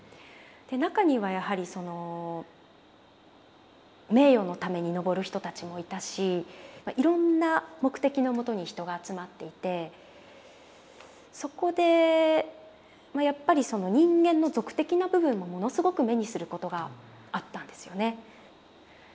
中にはやはりその名誉のために登る人たちもいたしいろんな目的のもとに人が集まっていてそこでやっぱりその人間の俗的な部分もものすごく目にすることがあったんですよね。